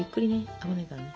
危ないからね。